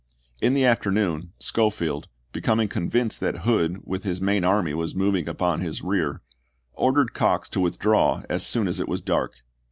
In the afternoon, Schofield, becoming con vinced that Hood with his main army was moving upon his rear, ordered Cox to withdraw as soon as it was dark.